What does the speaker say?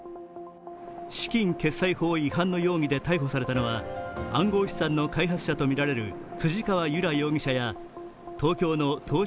資金決済法違反の容疑で逮捕されたのは暗号資産の開発者とみられる辻川結良容疑者や東京の投資